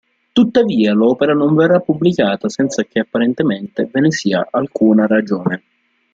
Tuttavia l'opera non verrà pubblicata senza che apparentemente ve ne sia alcuna ragione.